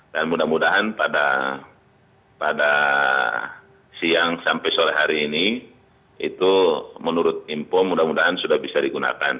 dan mudah mudahan pada siang sampai sore hari ini itu menurut info mudah mudahan sudah bisa digunakan